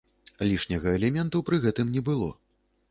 Лішняга элементу пры гэтым не было.